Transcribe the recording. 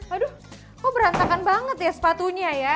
aduh kok berantakan banget ya sepatunya ya